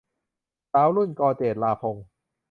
สาวรุ่น - ก เจษฎาพงศ์